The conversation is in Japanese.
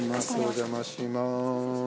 お邪魔しまーす